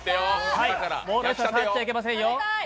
ボールは触っちゃいけませんよ。